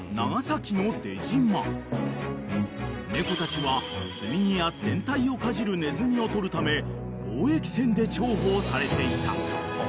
［猫たちは積み荷や船体をかじるネズミを捕るため貿易船で重宝されていた］